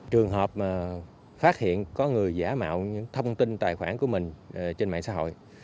trường hợp phát hiện có người giả mạo những thông tin tài khoản của mình trên mạng xã hội